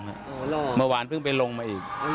อ๋อเหรอเมื่อวานเพิ่งไปลงมาอีก